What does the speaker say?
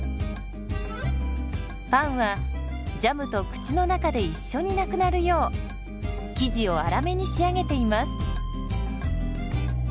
パンはジャムと口の中で一緒になくなるよう生地を粗めに仕上げています。